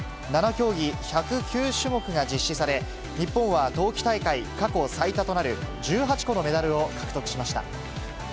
７競技１０９種目が実施され、日本は冬季大会過去最多となる、１８個のメダルを獲得しました。